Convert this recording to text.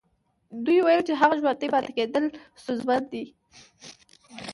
دوی ويل چې د هغه ژوندي پاتې کېدل ستونزمن دي.